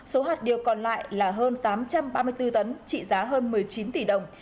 số hạt điều còn lại là hơn tám trăm ba mươi bốn tấn trị giá hơn một mươi chín tỷ đồng